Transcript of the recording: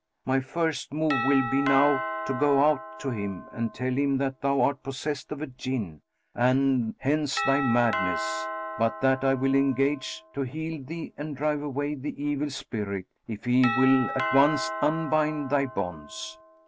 My first move will be now to go out to him and tell him that thou art possessed of a Jinn and hence thy madness; but that I will engage to heal thee and drive away the evil spirit, if he will at once unbind thy bonds.